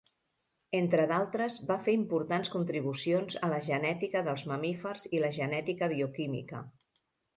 Entre d'altres va fer importants contribucions a la genètica dels mamífers i la genètica bioquímica.